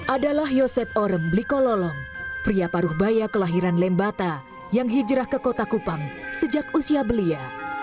adalah yosep orem blikololong pria paruh baya kelahiran lembata yang hijrah ke kota kupang sejak usia belia